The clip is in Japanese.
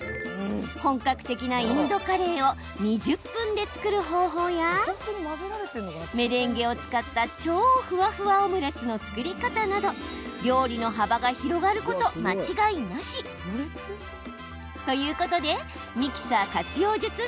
本格的なインドカレーを２０分で作る方法やメレンゲを使った超ふわふわオムレツの作り方など料理の幅が広がること間違いなし！ということでミキサー活用術